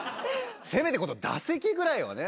せめて打席ぐらいはね。